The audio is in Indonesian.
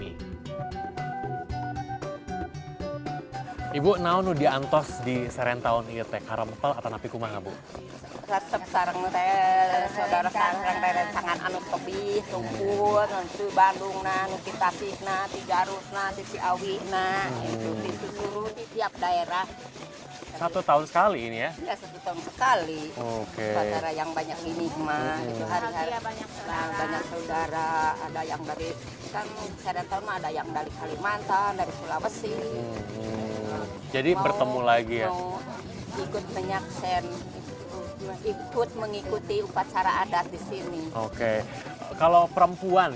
ini juga dijadikan ajaran